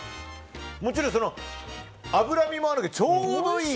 もちろん、脂身もあるのでちょうどいい。